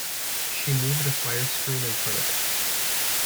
She moved a fire-screen in front of it.